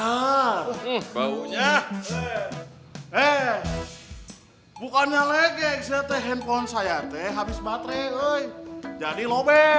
eh bukannya lagi saya handphone saya habis baterai jadi lobe